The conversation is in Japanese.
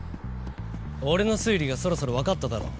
俺の推理がそろそろわかっただろ？